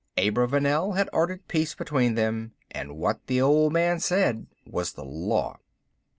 Abravanel had ordered peace between them, and what the old man said was the law.